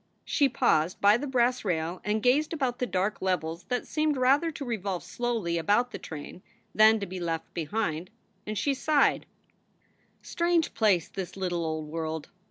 She paused by the brass rail and gazed about the dark levels that seemed rather to revolve slowly about the train than to be left behind. And she sighed: "Strange place this little old world!